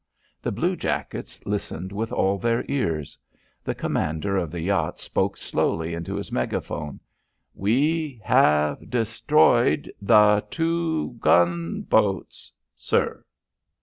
The blue jackets listened with all their ears. The commander of the yacht spoke slowly into his megaphone: "We have destroyed the two gun boats sir."